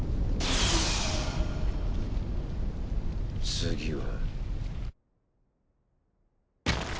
次は。